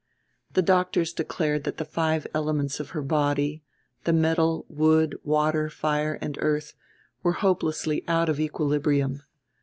The doctors declared that the five elements of her body the metal, wood, water, fire and earth, were hopelessly out of equilibrium.